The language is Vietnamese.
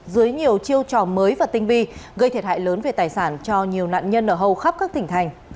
dưới nhiều chiêu trò mới và tinh vi gây thiệt hại lớn về tài sản cho nhiều nạn nhân ở hầu khắp các tỉnh thành